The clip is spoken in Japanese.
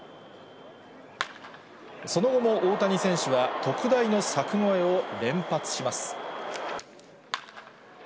その後も大谷選手は特大の柵越えを連発します。